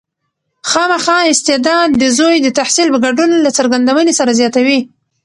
خامخا استعداد د زوی د تحصیل په ګډون له څرګندونې سره زیاتوي.